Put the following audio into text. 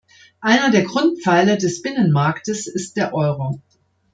Einer der Grundpfeiler des Binnenmarktes ist der Euro.